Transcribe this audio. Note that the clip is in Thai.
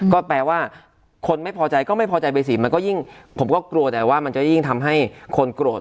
ก็แปลว่าคนไม่พอใจก็ไม่พอใจไปสิมันก็ยิ่งผมก็กลัวแต่ว่ามันจะยิ่งทำให้คนโกรธ